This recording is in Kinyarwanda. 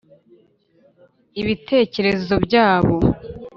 ibitekerezo byabo